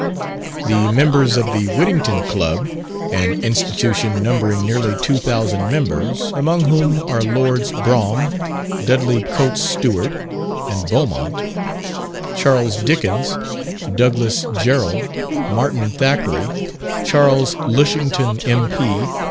The members of the Whittington Club an institution numbering nearly 2000 members, among whom are Lords Brougham, Dudley Coutts Stuart, and Beaumont; Charles Dickens, Douglass Jerrold, Martin Thackeray, Charles Lushington, M.P.